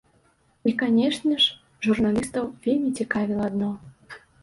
І, канешне ж, журналістаў вельмі цікавіла адно.